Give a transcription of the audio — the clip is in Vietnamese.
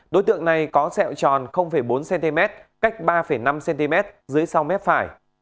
đối tượng này có sẹo tròn bốn cm cách ba năm cm dưới sau mép phải